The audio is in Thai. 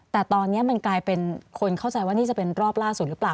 แต่ตอนนี้มันกลายเป็นคนเข้าใจว่านี่จะเป็นรอบล่าสุดหรือเปล่า